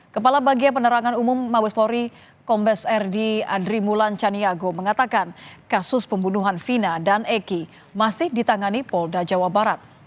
kepala bagia penerangan umum mawes polri kombes rd andri mulan caniago mengatakan kasus pembunuhan vina dan eki masih ditangani polda jawa barat